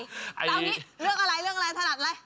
เอางี้เรื่องอะไรเรื่องอะไรถนัดอะไร